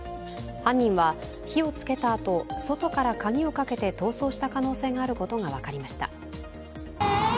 犯人は火をつけたあと、外から鍵をかけて逃走した可能性があることが分かりました。